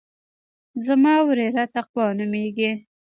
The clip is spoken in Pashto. زما وريره تقوا نوميږي.